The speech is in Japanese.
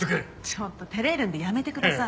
ちょっと照れるのでやめてください。